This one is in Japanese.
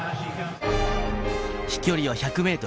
飛距離は１００ｍ。